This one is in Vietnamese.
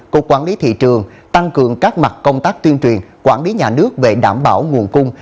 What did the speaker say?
cục quản lý thị trường tăng cường các mặt công tác tuyên truyền quản lý nhà nước về đảm bảo nguồn cung